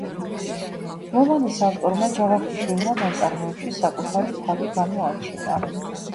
რომანის ავტორმა ჯავახიშვილმა ნაწარმოებში საკუთარი თავი გამოაჩინა.